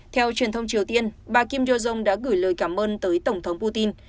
theo truyền thông triều tiên bà kim jong đã gửi lời cảm ơn tới tổng thống putin